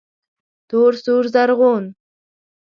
تور، سور، رزغون